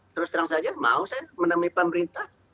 terus terang saja mau saya menemui pemerintah